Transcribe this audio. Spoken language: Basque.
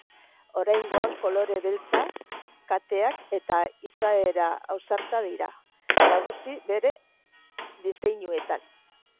Oraingoan kolore beltza, kateak eta izaera ausarta dira nagusi bere diseinuetan.